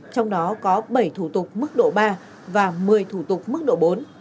trong đó có bảy thủ tục mức độ ba và một mươi thủ tục mức độ bốn